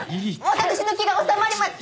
私の気が収まりません！